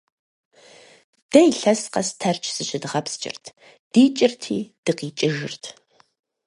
Дэ илъэс къэс Тэрч зыщыдгъэпскӀырт, дикӀырти дыкъикӀыжырт.